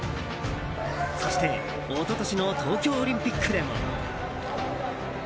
そして、一昨年の東京オリンピックでも。